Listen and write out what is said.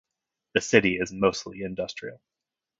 The city is mostly industrial.